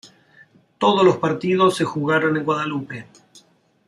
Todos los partidos se jugaron en Guadalupe.